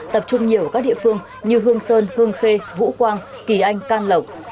tập trung nhiều các địa phương như hương sơn hương khê vũ quang kỳ anh can lộc